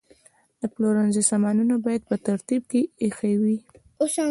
د پلورنځي سامانونه باید په ترتیب کې ایښي وي.